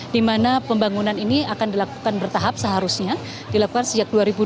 di mana pembangunan ini akan dilakukan bertahap seharusnya dilakukan sejak dua ribu dua puluh